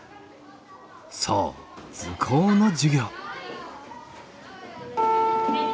そう図工の授業。